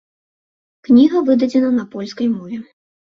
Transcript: Кніга выдадзена на польскай мове.